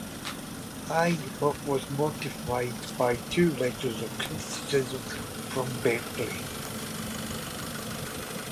I; but was mortified by two letters of criticism from Bentley.